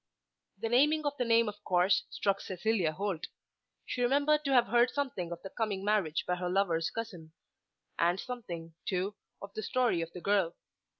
The naming of the name of course struck Cecilia Holt. She remembered to have heard something of the coming marriage by her lover's cousin, and something, too, of the story of the girl.